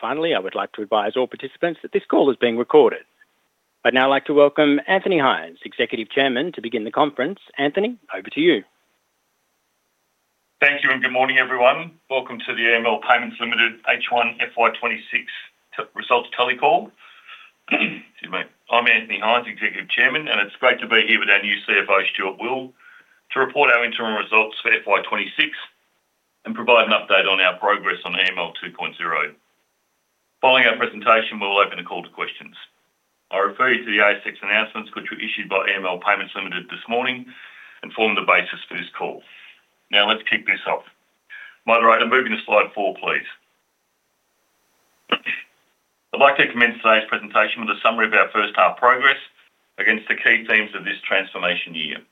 Finally, I would like to advise all participants that this call is being recorded. I'd now like to welcome Anthony Hynes, Executive Chairman, to begin the conference. Anthony, over to you. Thank you. Good morning, everyone. Welcome to the EML Payments Limited H1 FY 2026 results telecall. Excuse me. I'm Anthony Hynes, Executive Chairman, and it's great to be here with our new CFO, Stuart Will, to report our interim results for FY 2026 and provide an update on our progress on EML 2.0. Following our presentation, we'll open a call to questions. I refer you to the ASX announcements, which were issued by EML Payments Limited this morning and form the basis for this call. Let's kick this off. Moderator, moving to slide four, please. I'd like to commence today's presentation with a summary of our first half progress against the key themes of this transformation year.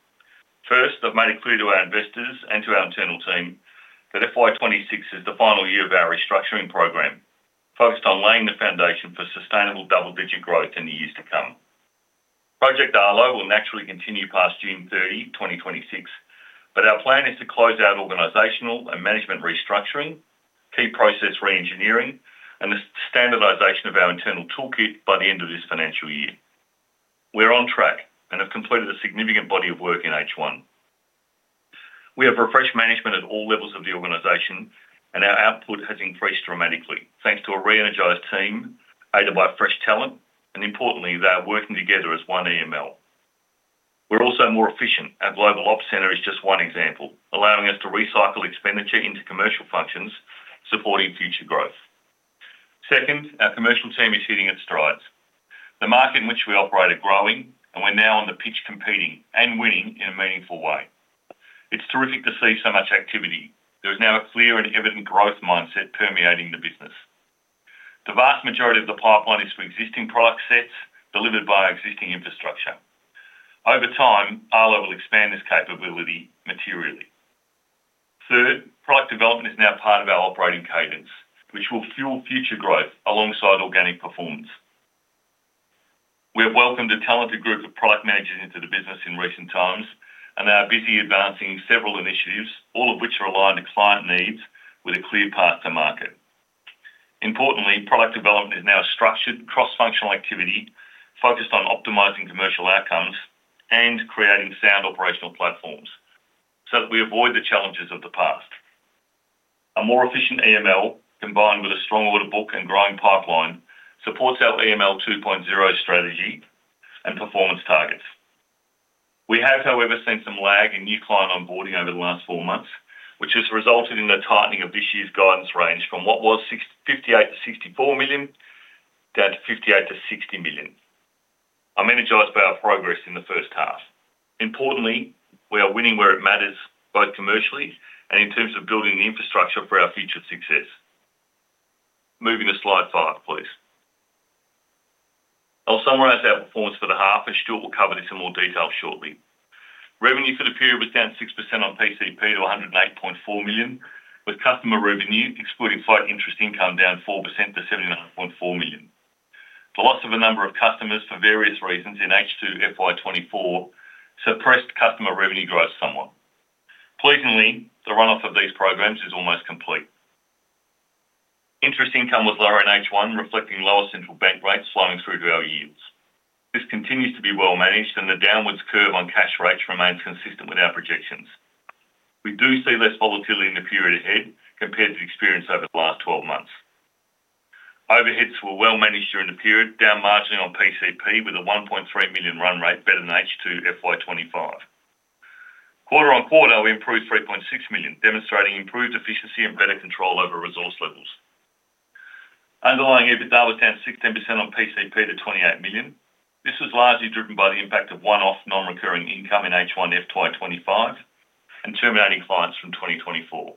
First, I've made it clear to our investors and to our internal team that FY 26 is the final year of our restructuring program, focused on laying the foundation for sustainable double-digit growth in the years to come. Project Arlo will naturally continue past June 30, 2026, but our plan is to close out organizational and management restructuring, key process reengineering, and the standardization of our internal toolkit by the end of this financial year. We're on track and have completed a significant body of work in H1. We have refreshed management at all levels of the organization, and our output has increased dramatically, thanks to a re-energized team, aided by fresh talent, and importantly, they are working together as one EML. We're also more efficient. Our Global Op Center is just one example, allowing us to recycle expenditure into commercial functions, supporting future growth. Second, our commercial team is hitting its strides. The market in which we operate are growing, and we're now on the pitch competing and winning in a meaningful way. It's terrific to see so much activity. There is now a clear and evident growth mindset permeating the business. The vast majority of the pipeline is for existing product sets delivered by our existing infrastructure. Over time, Arlo will expand this capability materially. Third, product development is now part of our operating cadence, which will fuel future growth alongside organic performance. We have welcomed a talented group of product managers into the business in recent times and are busy advancing several initiatives, all of which are aligned to client needs with a clear path to market. Importantly, product development is now a structured cross-functional activity focused on optimizing commercial outcomes and creating sound operational platforms so that we avoid the challenges of the past. A more efficient EML, combined with a strong order book and growing pipeline, supports our EML 2.0 strategy and performance targets. We have, however, seen some lag in new client onboarding over the last four months, which has resulted in the tightening of this year's guidance range from what was 58 million-64 million, down to 58 million-60 million. I'm energized by our progress in the first half. Importantly, we are winning where it matters, both commercially and in terms of building the infrastructure for our future success. Moving to slide five, please. I'll summarize our performance for the half, Stuart will cover this in more detail shortly. Revenue for the period was down 6% on PCP to 108.4 million, with customer revenue excluding flat interest income down 4% to 79.4 million. The loss of a number of customers for various reasons in H2 FY2024 suppressed customer revenue growth somewhat. Pleasingly, the run-off of these programs is almost complete. Interest income was lower in H1, reflecting lower central bank rates flowing through to our yields. This continues to be well managed, and the downwards curve on cash rates remains consistent with our projections. We do see less volatility in the period ahead compared to the experience over the last 12 months. Overheads were well managed during the period, down marginally on PCP, with an 1.3 million run rate better than H2 FY2025. Quarter-on-quarter, we improved 3.6 million, demonstrating improved efficiency and better control over resource levels. Underlying EBITDA was down 16% on PCP to 28 million. This was largely driven by the impact of one-off non-recurring income in H1 FY 2025 and terminating clients from 2024.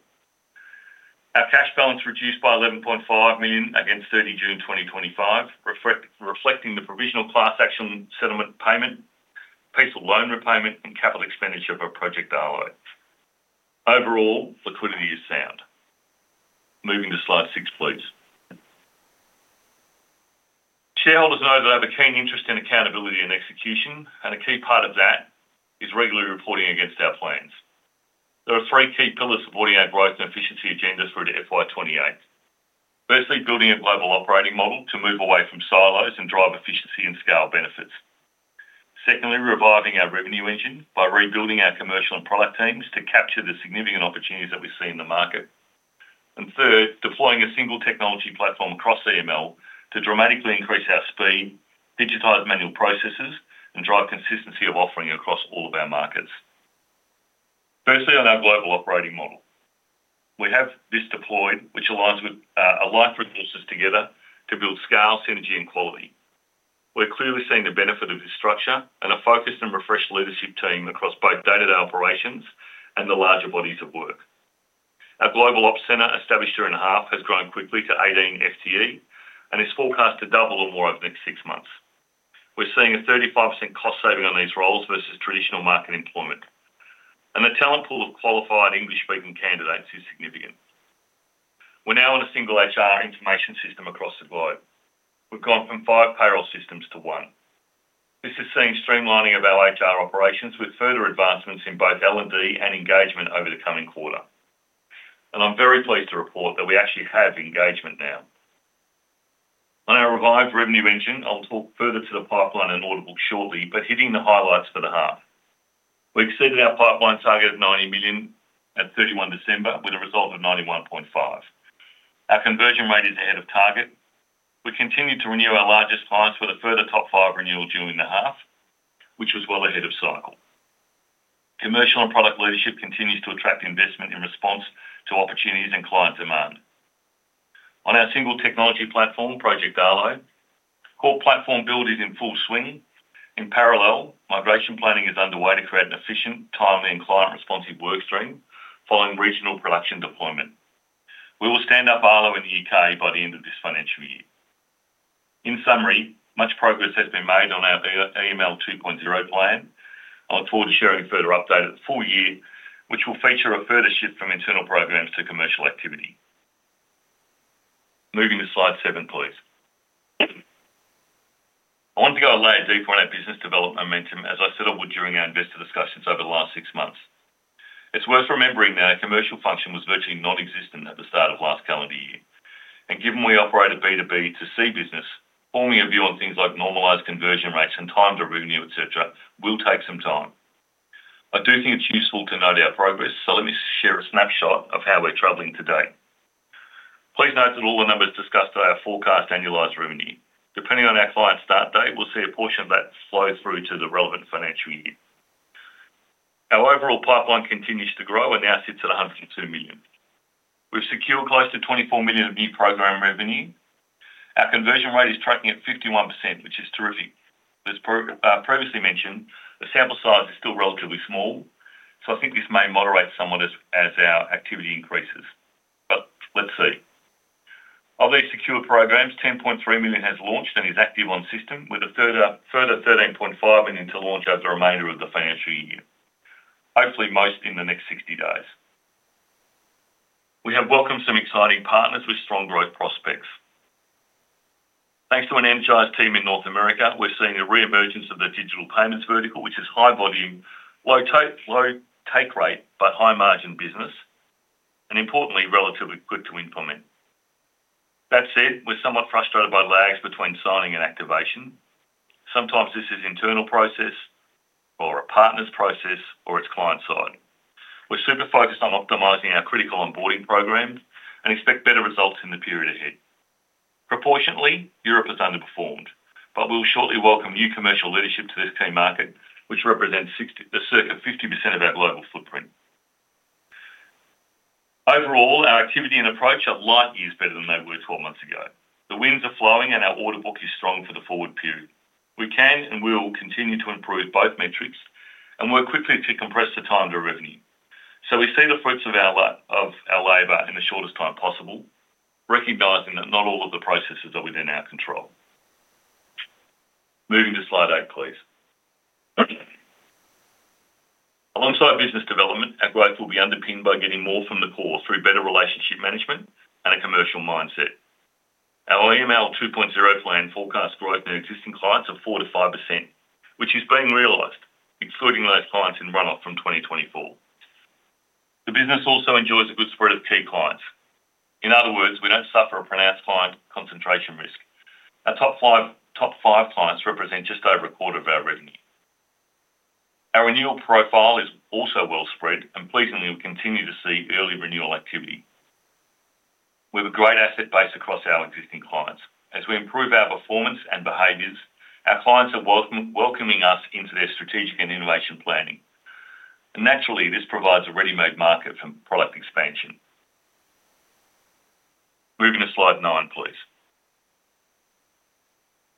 Our cash balance reduced by 11.5 million against 30 June 2025, reflecting the provisional class action settlement payment, PFS loan repayment, and capital expenditure for Project Arlo. Overall, liquidity is sound. Moving to slide six, please. Shareholders know that I have a keen interest in accountability and execution. A key part of that is regularly reporting against our plans. There are three key pillars supporting our growth and efficiency agendas through to FY 2028. Firstly, building a global operating model to move away from silos and drive efficiency and scale benefits. Reviving our revenue engine by rebuilding our commercial and product teams to capture the significant opportunities that we see in the market. Third, deploying a single technology platform across EML to dramatically increase our speed, digitize manual processes, and drive consistency of offering across all of our markets. On our global operating model, we have this deployed, which aligns with align resources together to build scale, synergy, and quality. We're clearly seeing the benefit of this structure and a focused and refreshed leadership team across both day-to-day operations and the larger bodies of work. Our Global Operations Center, established a year and a half, has grown quickly to 18 FTE and is forecast to double or more over the next six months. We're seeing a 35% cost saving on these roles versus traditional market employment, and the talent pool of qualified English-speaking candidates is significant. We're now on a single HR information system. We've gone from five payroll systems to one. This has seen streamlining of our HR operations, with further advancements in both L&D and engagement over the coming quarter. I'm very pleased to report that we actually have engagement now. On our revived revenue engine, I'll talk further to the pipeline and order book shortly, but hitting the highlights for the half. We exceeded our pipeline target of 90 million at 31 December, with a result of 91.5. Our conversion rate is ahead of target. We continued to renew our largest clients with a further top five renewal during the half, which was well ahead of cycle. Commercial and product leadership continues to attract investment in response to opportunities and client demand. On our single technology platform, Project Arlo, core platform build is in full swing. In parallel, migration planning is underway to create an efficient, timely, and client-responsive workstream following regional production deployment. We will stand up Arlo in the UK by the end of this financial year. In summary, much progress has been made on our EML 2.0 plan. I'll look forward to sharing a further update at the full year, which will feature a further shift from internal programs to commercial activity. Moving to slide seven, please. I want to go a layer deeper on our business development momentum, as I said I would during our investor discussions over the last six months. It's worth remembering that our commercial function was virtually nonexistent at the start of last calendar year. Given we operate a B2B2C business, forming a view on things like normalized conversion rates and time to revenue, et cetera, will take some time. I do think it's useful to note our progress, so let me share a snapshot of how we're traveling today. Please note that all the numbers discussed are our forecast annualized revenue. Depending on our client start date, we'll see a portion of that flow through to the relevant financial year. Our overall pipeline continues to grow and now sits at 102 million. We've secured close to 24 million of new program revenue. Our conversion rate is tracking at 51%, which is terrific. As previously mentioned, the sample size is still relatively small, so I think this may moderate somewhat as our activity increases. Let's see. Of these secure programs, 10.3 million has launched and is active on system, with a further 13.5 million to launch over the remainder of the financial year. Hopefully, most in the next 60 days. We have welcomed some exciting partners with strong growth prospects. Thanks to an energized team in North America, we're seeing a reemergence of the digital payments vertical, which is high volume, low take rate, but high margin business, and importantly, relatively quick to implement. We're somewhat frustrated by lags between signing and activation. Sometimes this is internal process or a partner's process, or it's client-side. We're super focused on optimizing our critical onboarding programs and expect better results in the period ahead. Proportionally, Europe has underperformed, we'll shortly welcome new commercial leadership to this key market, which represents 60, circa 50% of our global footprint. Overall, our activity and approach are light years better than they were 12 months ago. The winds are flowing, our order book is strong for the forward period. We can, and we will continue to improve both metrics and work quickly to compress the time to revenue. We see the fruits of our labor in the shortest time possible, recognizing that not all of the processes are within our control. Moving to slide eight, please. Alongside business development, our growth will be underpinned by getting more from the core through better relationship management and a commercial mindset. Our EML 2.0 plan forecasts growth in existing clients of 4%-5%, which is being realized, excluding those clients in run-off from 2024. The business also enjoys a good spread of key clients. In other words, we don't suffer a pronounced client concentration risk. Our top five clients represent just over a quarter of our revenue. Our renewal profile is also well spread. Pleasingly, we continue to see early renewal activity. We have a great asset base across our existing clients. As we improve our performance and behaviors, our clients are welcoming us into their strategic and innovation planning. Naturally, this provides a ready-made market for product expansion. Moving to slide nine, please.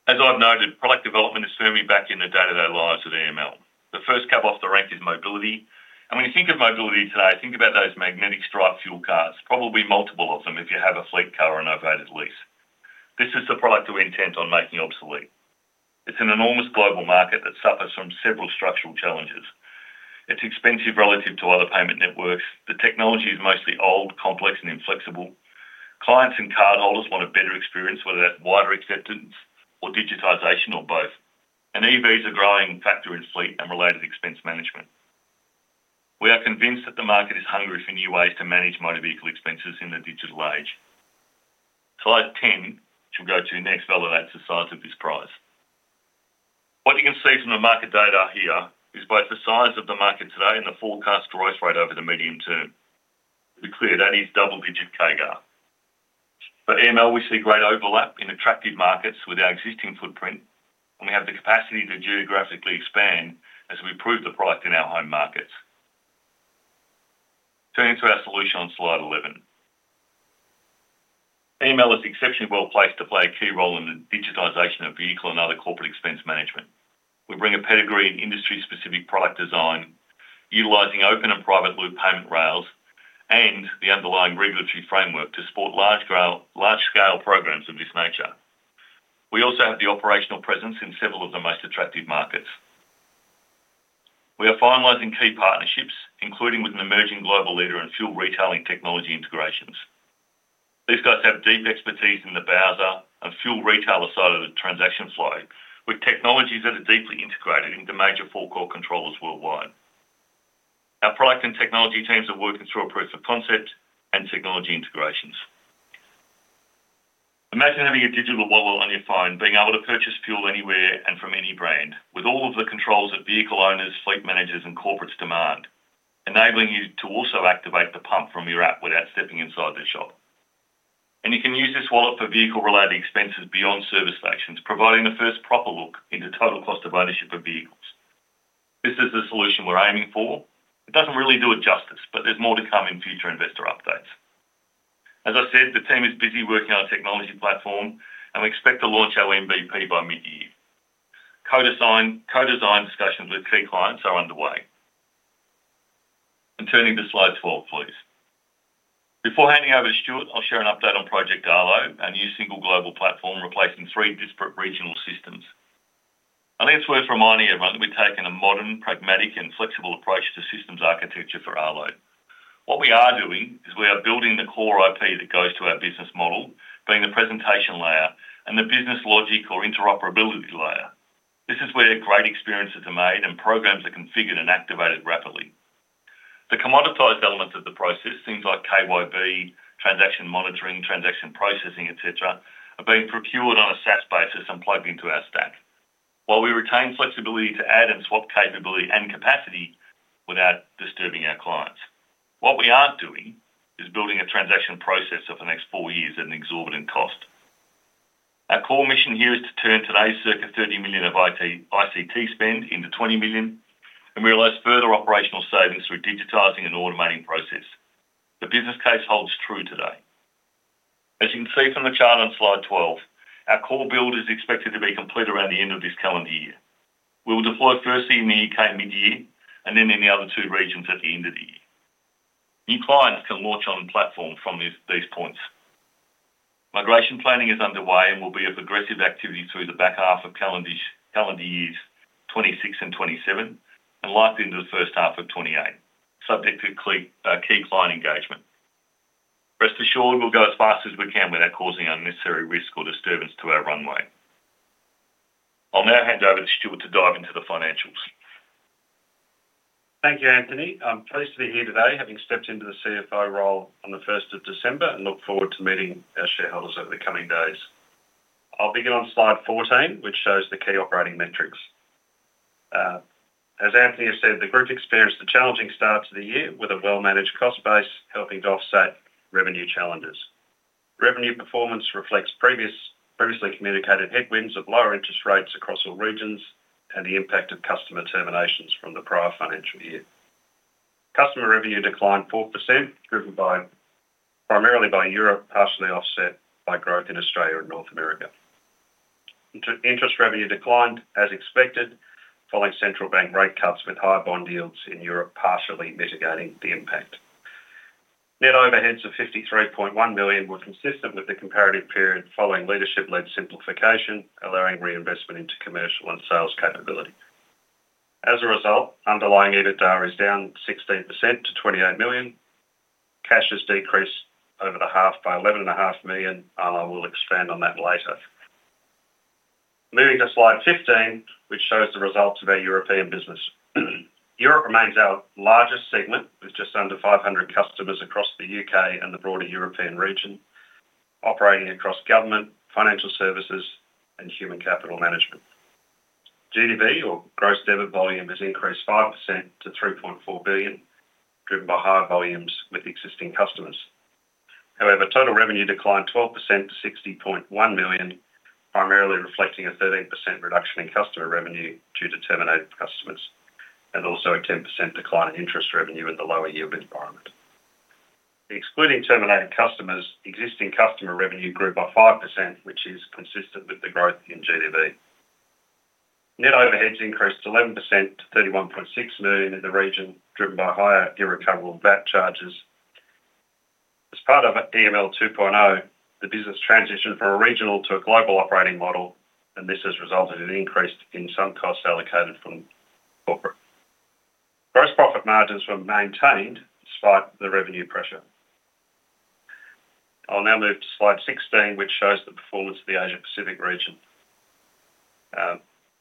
As I've noted, product development is firmly back in the day-to-day lives at EML. The first cab off the rank is mobility. When you think of mobility today, think about those magnetic stripe fuel cards, probably multiple of them if you have a fleet car on a rented lease. This is the product we're intent on making obsolete. It's an enormous global market that suffers from several structural challenges. It's expensive relative to other payment networks. The technology is mostly old, complex, and inflexible. Clients and cardholders want a better experience, whether that's wider acceptance or digitization or both. EVs are a growing factor in fleet and related expense management. We are convinced that the market is hungry for new ways to manage motor vehicle expenses in the digital age. Slide 10, which we'll go to next, evaluates the size of this prize. What you can see from the market data here is both the size of the market today and the forecast growth rate over the medium term. Be clear, that is double-digit CAGR. For EML, we see great overlap in attractive markets with our existing footprint, and we have the capacity to geographically expand as we prove the product in our home markets. Turning to our solution on slide 11. EML is exceptionally well-placed to play a key role in the digitization of vehicle and other corporate expense management. We bring a pedigree in industry-specific product design, utilizing open and private loop payment rails and the underlying regulatory framework to support large-scale programs of this nature. We also have the operational presence in several of the most attractive markets. We are finalizing key partnerships, including with an emerging global leader in fuel retailing technology integrations. These guys have deep expertise in the browser and fuel retailer side of the transaction flow, with technologies that are deeply integrated into major forecourt controllers worldwide. Our product and technology teams are working through a proof of concept and technology integrations. Imagine having a digital wallet on your phone, being able to purchase fuel anywhere and from any brand, with all of the controls that vehicle owners, fleet managers, and corporates demand, enabling you to also activate the pump from your app without stepping inside the shop. You can use this wallet for vehicle-related expenses beyond service stations, providing the first proper look into total cost of ownership of vehicles. This is the solution we're aiming for. It doesn't really do it justice, but there's more to come in future investor updates. As I said, the team is busy working on a technology platform, and we expect to launch our MVP by mid-year. Co-design discussions with key clients are underway. Turning to slide 12, please. Before handing over to Stuart, I'll share an update on Project Arlo, our new single global platform, replacing three disparate regional systems. I think it's worth reminding everyone that we're taking a modern, pragmatic, and flexible approach to systems architecture for Arlo. What we are doing is we are building the core IP that goes to our business model, being the presentation layer and the business logic or interoperability layer. This is where great experiences are made and programs are configured and activated rapidly. The commoditized elements of the process, things like KYB, transaction monitoring, transaction processing, et cetera, are being procured on a SaaS basis and plugged into our stack, while we retain flexibility to add and swap capability and capacity without disturbing our clients. What we aren't doing is building a transaction process over the next four years at an exorbitant cost. Our core mission here is to turn today's circa 30 million of IT, ICT spend into 20 million and realize further operational savings through digitizing and automating process. The business case holds true today. As you can see from the chart on slide 12, our core build is expected to be complete around the end of this calendar year. We will deploy firstly in the UK mid-year. Then in the other two regions at the end of the year. New clients can launch on platform from these points. Migration planning is underway and will be of progressive activity through the back half of calendar years, 2026 and 2027, and likely into the first half of 2028, subject to key client engagement. Rest assured, we'll go as fast as we can without causing unnecessary risk or disturbance to our runway. I'll now hand over to Stuart to dive into the financials. Thank you, Anthony. I'm pleased to be here today, having stepped into the CFO role on the 1st of December, and look forward to meeting our shareholders over the coming days. I'll begin on slide 14, which shows the key operating metrics. As Anthony has said, the group experienced a challenging start to the year with a well-managed cost base, helping to offset revenue challenges. Revenue performance reflects previously communicated headwinds of lower interest rates across all regions and the impact of customer terminations from the prior financial year. Customer revenue declined 4%, primarily by Europe, partially offset by growth in Australia and North America. Interest revenue declined as expected, following central bank rate cuts, with higher bond yields in Europe, partially mitigating the impact. Net overheads of 53.1 million were consistent with the comparative period, following leadership-led simplification, allowing reinvestment into commercial and sales capability. As a result, underlying EBITDA is down 16% to 28 million. Cash has decreased over the half by 11 and a half million, and I will expand on that later. Moving to slide 15, which shows the results of our European business. Europe remains our largest segment, with just under 500 customers across the UK and the broader European region, operating across government, financial services, and Human Capital Management. GDV, or Gross Debit Volume, has increased 5% to 3.4 billion, driven by higher volumes with existing customers. Total revenue declined 12% to 60.1 million, primarily reflecting a 13% reduction in customer revenue due to terminated customers, and also a 10% decline in interest revenue at the lower yield environment. Excluding terminated customers, existing customer revenue grew by 5%, which is consistent with the growth in GDV. Net overheads increased 11% to 31.6 million in the region, driven by higher irrecoverable VAT charges. As part of EML 2.0, the business transitioned from a regional to a global operating model, and this has resulted in an increase in some costs allocated from corporate. Gross profit margins were maintained despite the revenue pressure. I'll now move to slide 16, which shows the performance of the Asia-Pacific region.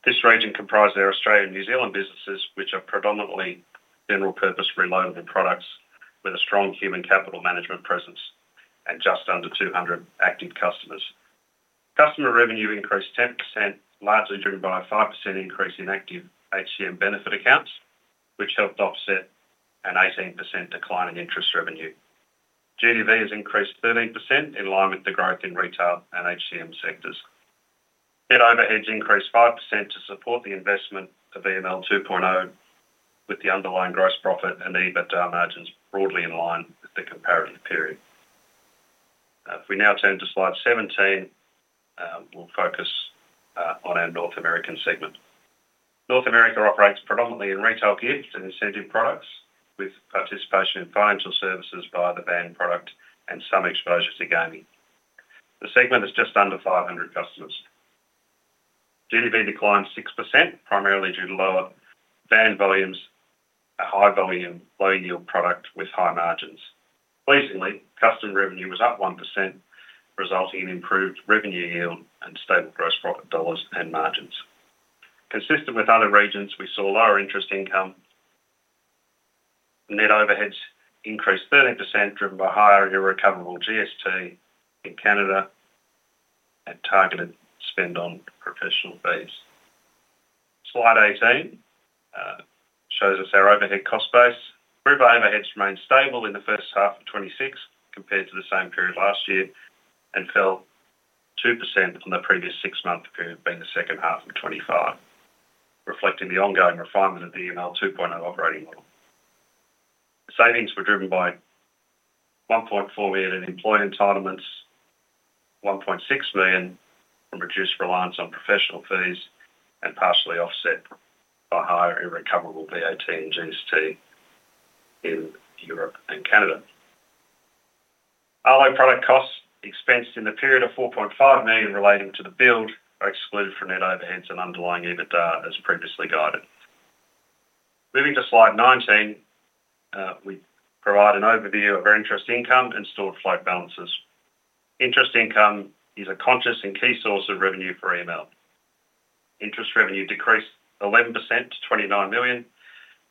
This region comprises our Australian and New Zealand businesses, which are predominantly general purpose reloadable products with a strong human capital management presence and just under 200 active customers. Customer revenue increased 10%, largely driven by a 5% increase in active HCM benefit accounts, which helped offset an 18% decline in interest revenue. GDV has increased 13%, in line with the growth in retail and HCM sectors. Net overheads increased 5% to support the investment of EML 2.0, with the underlying gross profit and EBITDA margins broadly in line with the comparative period. If we now turn to slide 17, we'll focus on our North American segment. North America operates predominantly in retail gifts and incentive products, with participation in financial services via the VAN product and some exposure to gaming. The segment is just under 500 customers. GDV declined 6%, primarily due to lower VAN volumes, a high volume, low yield product with high margins. Pleasingly, customer revenue was up 1%, resulting in improved revenue yield and stable gross profit dollars and margins. Consistent with other regions, we saw lower interest income. Net overheads increased 13%, driven by higher irrecoverable GST in Canada and targeted spend on professional fees. Slide 18 shows us our overhead cost base. Group overheads remained stable in the first half of 2026 compared to the same period last year, and fell 2% on the previous six-month period, being the second half of 2025, reflecting the ongoing refinement of the EML 2.0 operating model. The savings were driven by 1.4 million in employee entitlements, 1.6 million from reduced reliance on professional fees, partially offset by higher irrecoverable VAT and GST in Europe and Canada. Arlo product costs expensed in the period of 4.5 million relating to the build are excluded from net overheads and underlying EBITDA as previously guided. Moving to slide 19, we provide an overview of our interest income and stored float balances. Interest income is a conscious and key source of revenue for EML. Interest revenue decreased 11% to 29 million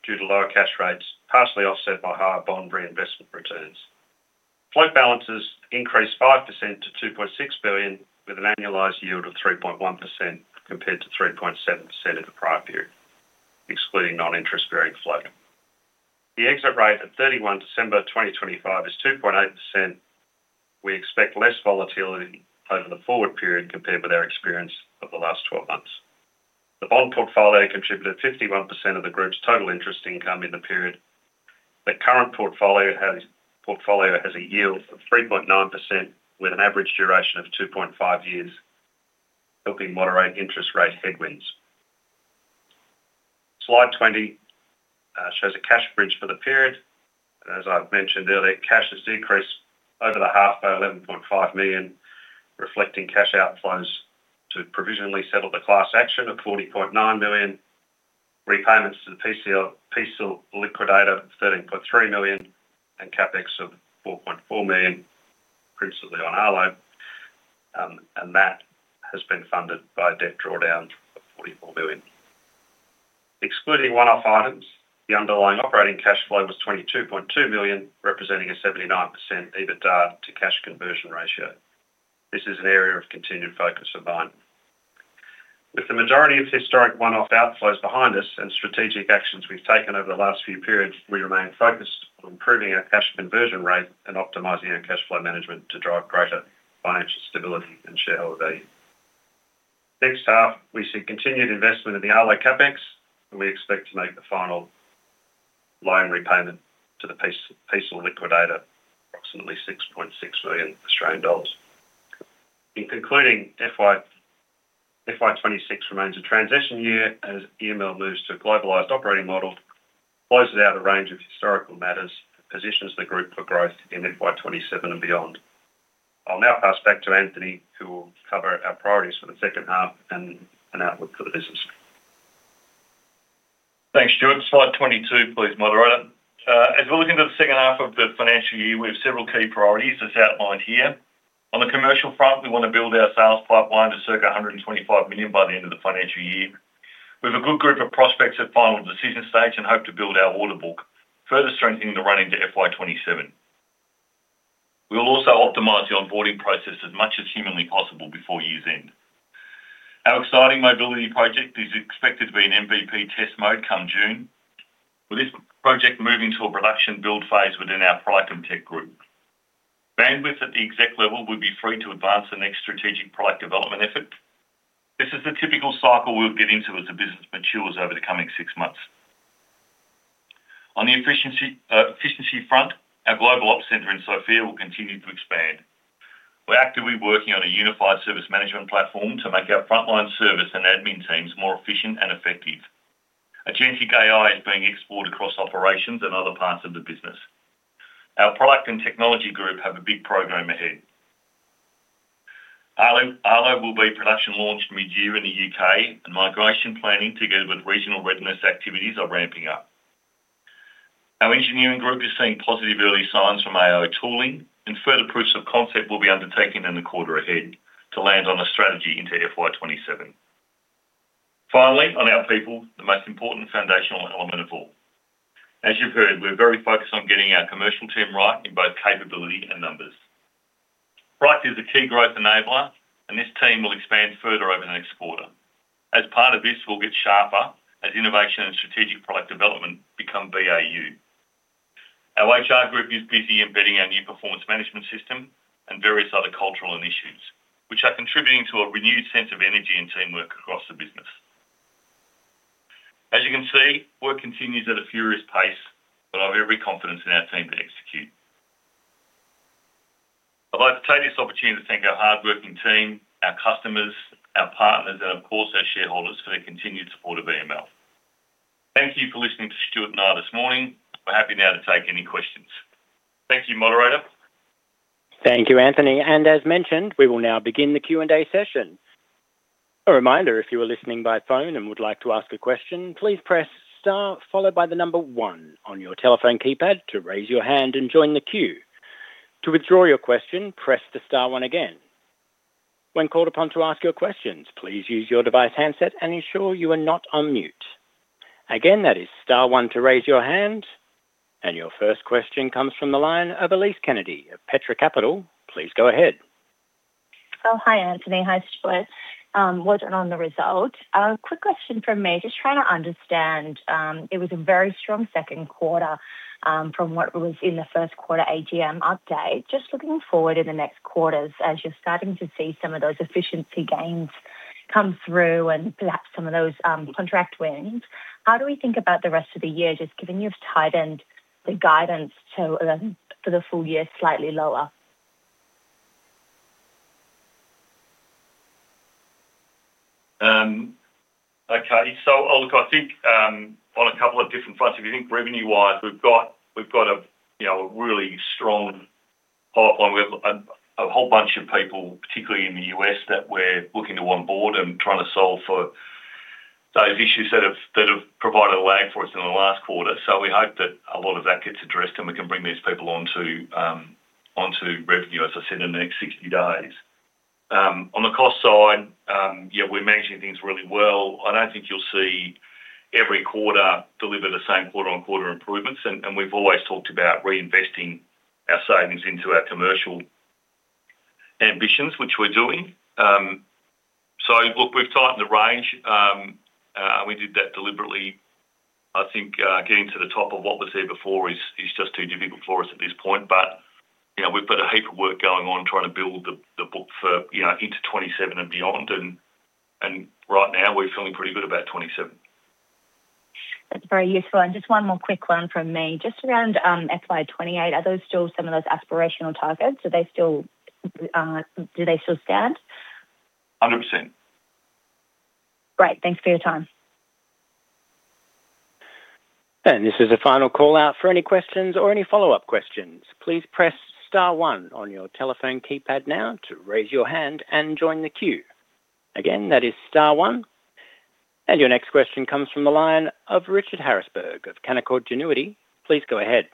due to lower cash rates, partially offset by higher bond reinvestment returns. Float balances increased 5% to 2.6 billion, with an annualized yield of 3.1% compared to 3.7% in the prior period, excluding non-interest-bearing float. The exit rate 31 December 2025 is 2.8%. We expect less volatility over the forward period compared with our experience of the last 12 months. The bond portfolio contributed 51% of the group's total interest income in the period. The current portfolio has a yield of 3.9%, with an average duration of 2.5 years, helping moderate interest rate headwinds. Slide 20 shows a cash bridge for the period. As I've mentioned earlier, cash has decreased over the half by 11.5 million, reflecting cash outflows to provisionally settle the class action of 40.9 million, repayments to the PFS liquidator, 13.3 million, and CapEx of 4.4 million, principally on Arlo. That has been funded by a debt drawdown of 44 billion. Excluding one-off items, the underlying operating cash flow was 22.2 million, representing a 79% EBITDA to cash conversion ratio. This is an area of continued focus of mine. With the majority of historic one-off outflows behind us and strategic actions we've taken over the last few periods, we remain focused on improving our cash conversion rate and optimizing our cash flow management to drive greater financial stability and shareholder value. Next half, we see continued investment in the Arlo CapEx, and we expect to make the final loan repayment to the PFS liquidator, approximately AUD 6.6 million. In concluding, FY 2026 remains a transition year as EML moves to a globalized operating model, closes out a range of historical matters, positions the group for growth in FY 2027 and beyond. I'll now pass back to Anthony, who will cover our priorities for the second half and an outlook for the business. Thanks, Stuart. Slide 22, please, moderator. As we look into the second half of the financial year, we have several key priorities, as outlined here. On the commercial front, we want to build our sales pipeline to circa 125 million by the end of the financial year. We have a good group of prospects at final decision stage and hope to build our order book, further strengthening the run into FY27. We will also optimize the onboarding process as much as humanly possible before year's end. Our exciting mobility project is expected to be in MVP test mode come June, with this project moving to a production build phase within our product and tech group. Bandwidth at the exec level will be free to advance the next strategic product development effort. This is the typical cycle we'll get into as the business matures over the coming six months. On the efficiency front, our Global Operations Center in Sofia will continue to expand. We're actively working on a unified service management platform to make our frontline service and admin teams more efficient and effective. Agentic AI is being explored across operations and other parts of the business. Our product and technology group have a big program ahead. Arlo will be production launched mid-year in the U.K., and migration planning, together with regional readiness activities, are ramping up. Our engineering group is seeing positive early signs from AO tooling, and further proofs of concept will be undertaken in the quarter ahead to land on a strategy into FY 2027. On our people, the most important foundational element of all. As you've heard, we're very focused on getting our commercial team right in both capability and numbers. Price is a key growth enabler. This team will expand further over the next quarter. As part of this, we'll get sharper as innovation and strategic product development become BAU. Our HR group is busy embedding our new performance management system and various other cultural initiatives, which are contributing to a renewed sense of energy and teamwork across the business. As you can see, work continues at a furious pace. I have every confidence in our team to execute. I'd like to take this opportunity to thank our hardworking team, our customers, our partners, and of course, our shareholders, for their continued support of EML.... listening to Stuart and I this morning. We're happy now to take any questions. Thank you, moderator. Thank you, Anthony. As mentioned, we will now begin the Q&A session. A reminder, if you are listening by phone and would like to ask a question, please press Star followed by one on your telephone keypad to raise your hand and join the queue. To withdraw your question, press the Star one again. When called upon to ask your questions, please use your device handset and ensure you are not on mute. Again, that is Star one to raise your hand. Your first question comes from the line of Elise Kennedy of Petra Capital. Please go ahead. Oh, hi, Anthony. Hi, Stuart. Well done on the result. Quick question from me, just trying to understand. It was a very strong second quarter, from what was in the first quarter AGM update. Just looking forward in the next quarters, as you're starting to see some of those efficiency gains come through and perhaps some of those, contract wins, how do we think about the rest of the year, just given you've tightened the guidance to, for the full year, slightly lower? Okay. Look, I think, on a couple of different fronts, if you think revenue-wise, we've got a, you know, a really strong pipeline. We have a whole bunch of people, particularly in the U.S., that we're looking to onboard and trying to solve for those issues that have provided a lag for us in the last quarter. We hope that a lot of that gets addressed, and we can bring these people on to revenue, as I said, in the next 60 days. On the cost side, yeah, we're managing things really well. I don't think you'll see every quarter deliver the same quarter on quarter improvements, and we've always talked about reinvesting our savings into our commercial ambitions, which we're doing. Look, we've tightened the range, and we did that deliberately. I think, getting to the top of what was there before is just too difficult for us at this point, but, you know, we've got a heap of work going on trying to build the book for, you know, into 2027 and beyond, and right now we're feeling pretty good about 2027. That's very useful. Just one more quick one from me, just around FY28, are those still some of those aspirational targets? Are they still, do they still stand? 100%. Great. Thanks for your time. This is a final call out for any questions or any follow-up questions. Please press Star one on your telephone keypad now to raise your hand and join the queue. Again, that is Star one. Your next question comes from the line of Richard Davis of Canaccord Genuity. Please go ahead.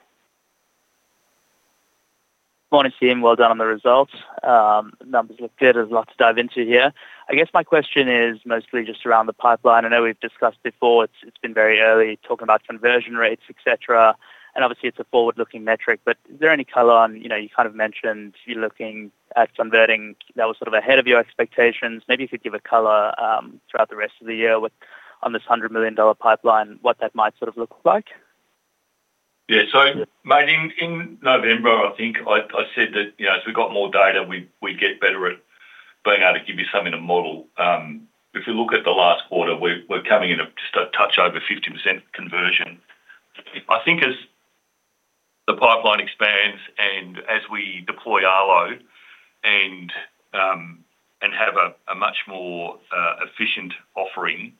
Morning to you. Well done on the results. Numbers look good. There's a lot to dive into here. I guess my question is mostly just around the pipeline. I know we've discussed before, it's been very early talking about conversion rates, et cetera, and obviously, it's a forward-looking metric, but is there any color on, you know, you kind of mentioned you're looking at converting that was sort of ahead of your expectations. Maybe you could give a color throughout the rest of the year with, on this 100 million dollar pipeline, what that might sort of look like? Mate, in November, I think I said that, you know, as we got more data, we get better at being able to give you something to model. If you look at the last quarter, we're coming in a just a touch over 50% conversion. I think as the pipeline expands and as we deploy Arlo and have a much more efficient offering,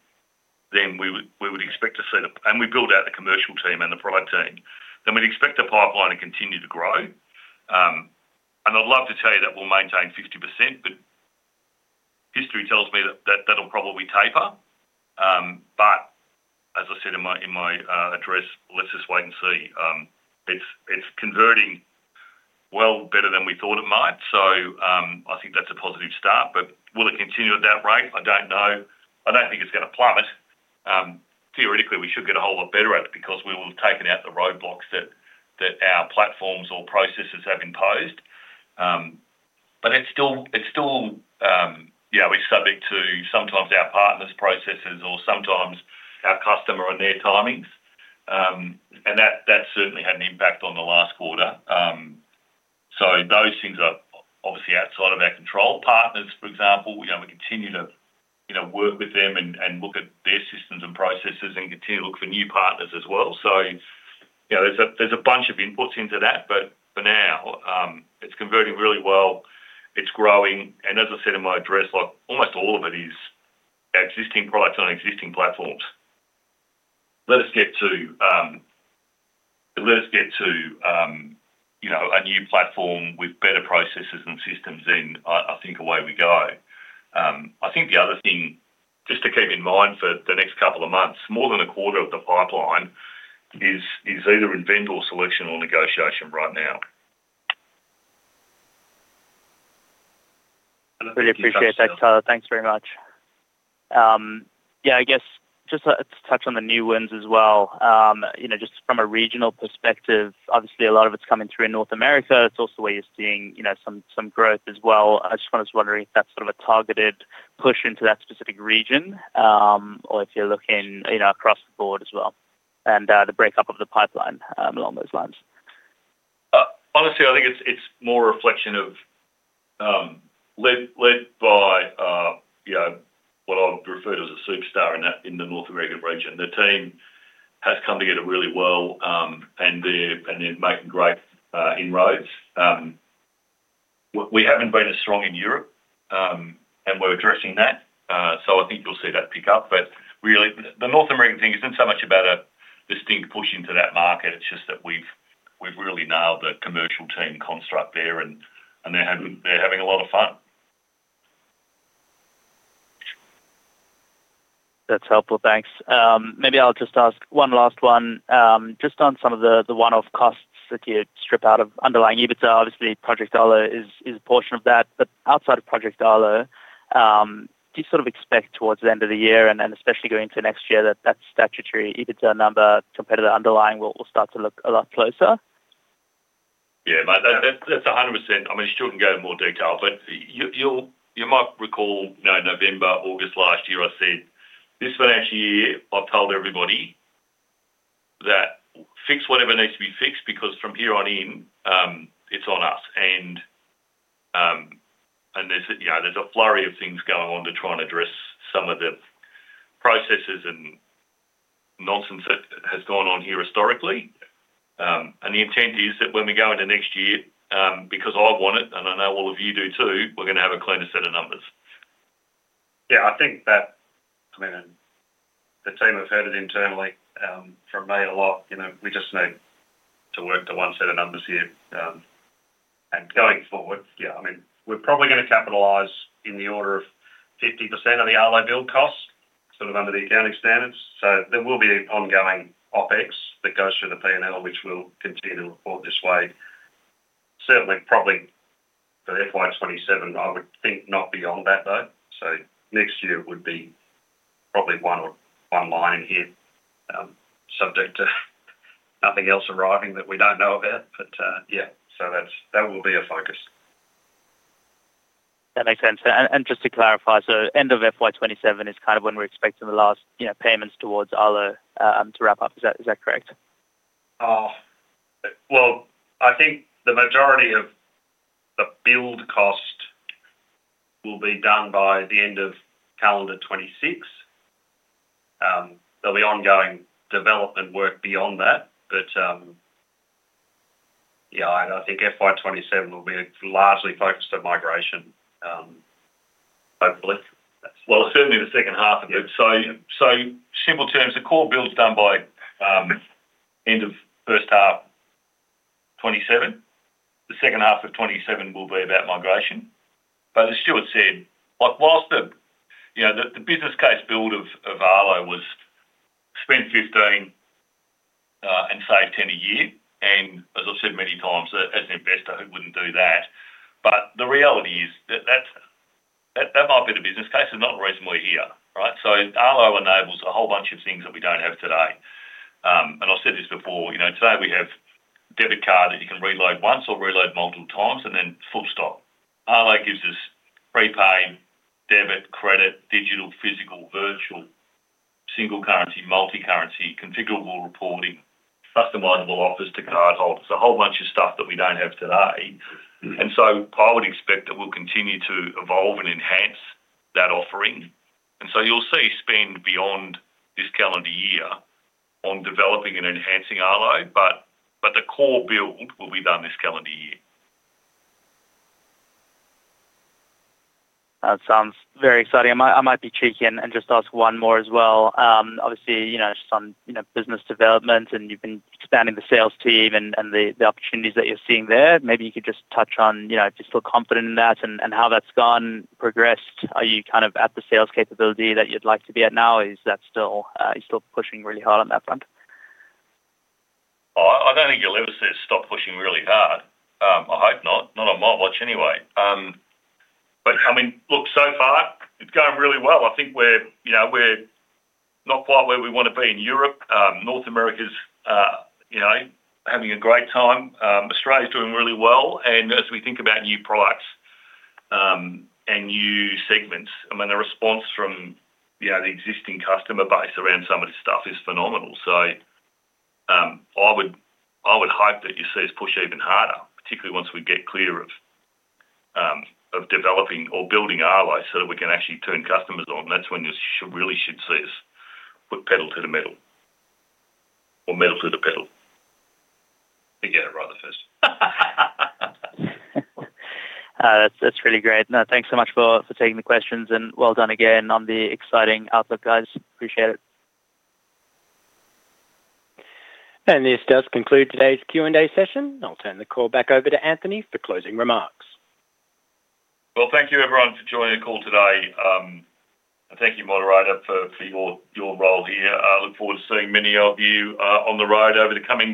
then we would expect to see and we build out the commercial team and the product team, then we'd expect the pipeline to continue to grow. I'd love to tell you that we'll maintain 50%, but history tells me that'll probably taper. As I said in my address, let's just wait and see. It's converting well better than we thought it might. I think that's a positive start, but will it continue at that rate? I don't know. I don't think it's going to plummet. Theoretically, we should get a whole lot better at it because we will have taken out the roadblocks that our platforms or processes have imposed. It's still, you know, we're subject to sometimes our partners' processes or sometimes our customer and their timings. That certainly had an impact on the last quarter. Those things are obviously outside of our control. Partners, for example, you know, we continue to, you know, work with them and look at their systems and processes and continue to look for new partners as well. You know, there's a bunch of inputs into that, but for now, it's converting really well, it's growing, and as I said in my address, like, almost all of it is existing products on existing platforms. Let us get to, you know, a new platform with better processes and systems, I think away we go. I think the other thing, just to keep in mind for the next couple of months, more than a quarter of the pipeline is either in vendor or selection or negotiation right now. I really appreciate that, Tyler. Thanks very much. Yeah, I guess just to touch on the new wins as well, you know, just from a regional perspective, obviously, a lot of it's coming through in North America. It's also where you're seeing, you know, some growth as well. I just was wondering if that's sort of a targeted push into that specific region, or if you're looking, you know, across the board as well, and the breakup of the pipeline, along those lines? Honestly, I think it's more a reflection of, you know, what I'd refer to as a superstar in that, in the North American region. The team has come together really well, and they're making great inroads. We haven't been as strong in Europe, and we're addressing that. I think you'll see that pick up. Really, the North American thing isn't so much about a distinct push into that market. It's just that we've really nailed the commercial team construct there, and they're having a lot of fun. That's helpful. Thanks. Maybe I'll just ask one last one, just on some of the one-off costs that you strip out of underlying EBITDA, obviously, Project Arlo is a portion of that. Outside of Project Arlo, do you sort of expect towards the end of the year and especially going into next year, that that statutory EBITDA number, competitive underlying will start to look a lot closer? Yeah, mate, that's 100%. I mean, I still can go in more detail, but you'll, you might recall, you know, November, August last year, I said, this financial year, I've told everybody that fix whatever needs to be fixed because from here on in, it's on us. There's, you know, there's a flurry of things going on to try and address some of the processes and nonsense that has gone on here historically. The intent is that when we go into next year, because I want it, and I know all of you do, too, we're going to have a cleaner set of numbers. Yeah, I think that, I mean, the team have heard it internally, from me a lot, you know, we just need to work to one set of numbers here. Going forward, yeah, I mean, we're probably gonna capitalize in the order of 50% of the Arlo build cost, sort of under the accounting standards. There will be ongoing OpEx that goes through the P&L, which will continue to report this way. Certainly, probably for FY 2027, I would think not beyond that, though. Next year would be probably one or one line here, subject to nothing else arriving that we don't know about. Yeah, that will be a focus. That makes sense. Just to clarify, end of FY 2027 is kind of when we're expecting the last, you know, payments towards Arlo to wrap up. Is that correct? Well, I think the majority of the build cost will be done by the end of calendar 2026. There'll be ongoing development work beyond that, but, yeah, I think FY 2027 will be largely focused on migration, hopefully. Well, certainly the second half of it. Yeah. Simple terms, the core build's done by end of first half 2027. The second half of 2027 will be about migration. As Stuart Will said, like, whilst the, you know, the business case build of Arlo was spend 15, and save 10 a year, and as I've said many times, as an investor, who wouldn't do that? The reality is that's, that might be the business case and not the reason we're here, right? Arlo enables a whole bunch of things that we don't have today. I've said this before, you know, today we have debit card that you can reload once or reload multiple times, then full stop. Arlo gives us prepaid, debit, credit, digital, physical, virtual, single currency, multicurrency, configurable reporting, customizable offers to cardholders. A whole bunch of stuff that we don't have today. I would expect that we'll continue to evolve and enhance that offering. You'll see spend beyond this calendar year on developing and enhancing Arlo, but the core build will be done this calendar year. That sounds very exciting. I might be cheeky and just ask one more as well. Obviously, you know, just on, you know, business development, and you've been expanding the sales team and the opportunities that you're seeing there, maybe you could just touch on, you know, if you feel confident in that and how that's gone, progressed. Are you kind of at the sales capability that you'd like to be at now, or is that still, you're still pushing really hard on that front? Oh, I don't think you'll ever see us stop pushing really hard. I hope not. Not on my watch, anyway. I mean, look, so far, it's going really well. I think we're, you know, we're not quite where we want to be in Europe. North America's, you know, having a great time. Australia is doing really well, and as we think about new products, and new segments, I mean, the response from, you know, the existing customer base around some of this stuff is phenomenal. I would hope that you see us push even harder, particularly once we get clear of developing or building Arlo so that we can actually turn customers on. That's when you really should see us put pedal to the metal, or metal to the pedal. I think I'd rather first. That's really great. Thanks so much for taking the questions, and well done again on the exciting outlook, guys. Appreciate it. This does conclude today's Q&A session. I'll turn the call back over to Anthony for closing remarks. Well, thank you, everyone, for joining the call today. Thank you, moderator, for your role here. I look forward to seeing many of you on the road over the coming.